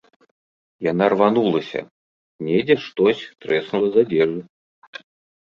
Яна рванулася, недзе штось трэснула з адзежы.